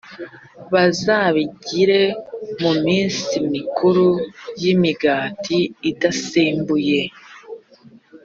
bazabigire mu minsi mikuru y’imigati idasembuye,